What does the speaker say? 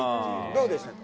どうでしたか？